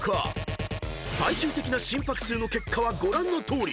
［最終的な心拍数の結果はご覧のとおり］